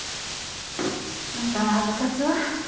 あんた部活は？